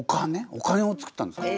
お金をつくったんですか？